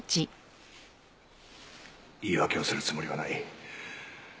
言い訳をするつもりはない。